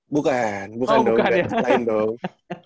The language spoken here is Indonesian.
bukan bukan dong lain dong